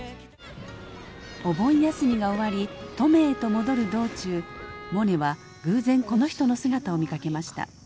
お盆休みが終わり登米へと戻る道中モネは偶然この人の姿を見かけました。